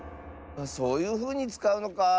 そういうふうにつかうのかあ。